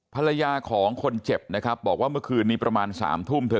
ภรรยาของคนเจ็บนะครับบอกว่าเมื่อคืนนี้ประมาณ๓ทุ่มเธอ